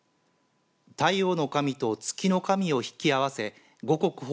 太陽の神と月の神を引き合わせ五穀豊